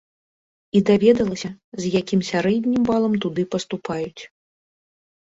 І даведалася, з якім сярэднім балам туды паступаюць.